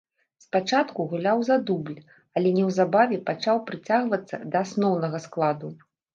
Спачатку гуляў за дубль, але неўзабаве пачаў прыцягвацца да асноўнага складу.